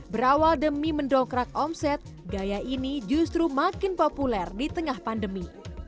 berawal demi mendongkrak omset gaya ini justru makin populer di tengah pandemi